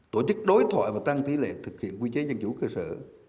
tổ chức đối thoại và tăng tỷ lệ thực hiện quy chế dân chủ cơ sở